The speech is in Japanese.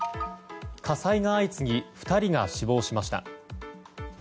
火災が相次ぎ２人が死亡しました。